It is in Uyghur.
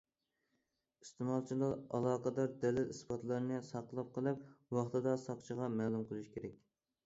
ئىستېمالچىلار ئالاقىدار دەلىل- ئىسپاتلارنى ساقلاپ قېلىپ، ۋاقتىدا ساقچىغا مەلۇم قىلىشى كېرەك.